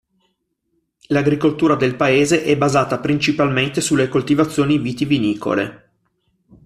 L'agricoltura del paese è basata principalmente sulle coltivazioni vitivinicole.